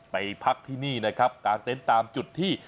พักที่นี่นะครับกางเต็นต์ตามจุดที่